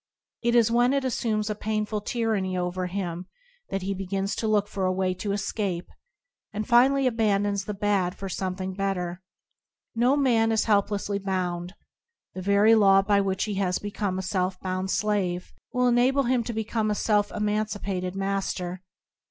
It is when it [ 24] TBoDp ano Citcum0tance assumes a painful tyranny over him that he begins to look for a way of escape, and finally abandons the bad for something better. No man is helplessly bound. The very law by which he has become a self bound slave will enable him to become a self emancipated master.